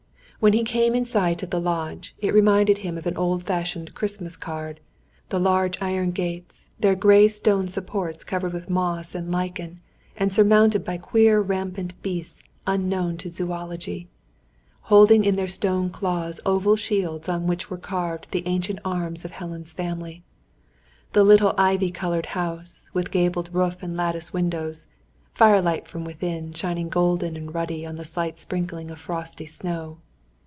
When he came in sight of the lodge, it reminded him of an old fashioned Christmas card; the large iron gates, their grey stone supports covered with moss and lichen and surmounted by queer rampant beasts unknown to zoology, holding in their stone claws oval shields on which were carved the ancient arms of Helen's family; the little ivy covered house, with gabled roof and lattice windows, firelight from within, shining golden and ruddy on the slight sprinkling of frosty snow.